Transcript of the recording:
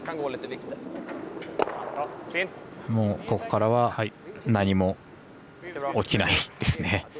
ここからは何も起きないですね。